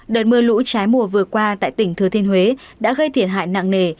đợt mưa lũ trái mùa vừa qua tại tỉnh thừa thiên huế đã gây thiệt hại nặng nề